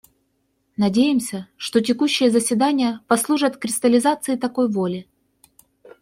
Надеемся, что текущие заседания послужат кристаллизации такой воли.